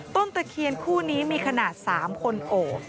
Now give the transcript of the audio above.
ตะเคียนคู่นี้มีขนาด๓คนโอบ